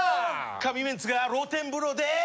神メンツが露天風呂で！